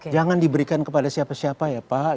jangan diberikan kepada siapa siapa ya pak